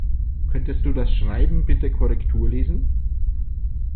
Könntest du das Schreiben bitte Korrektur lesen?